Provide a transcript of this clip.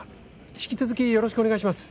引き続きよろしくお願いします！